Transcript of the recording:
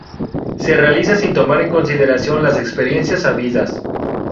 Se realiza sin tomar en consideración las experiencias habidas.